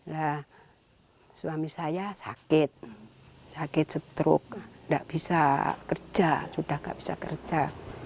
nah suami saya sakit sakit stroke nggak bisa kerja sudah nggak bisa kerja